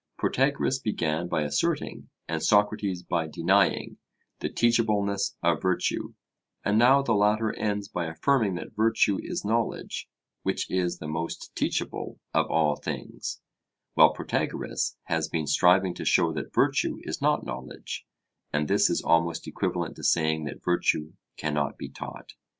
Protagoras began by asserting, and Socrates by denying, the teachableness of virtue, and now the latter ends by affirming that virtue is knowledge, which is the most teachable of all things, while Protagoras has been striving to show that virtue is not knowledge, and this is almost equivalent to saying that virtue cannot be taught.